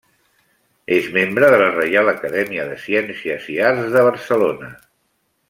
És membre de la Reial Acadèmia de Ciències i Arts de Barcelona.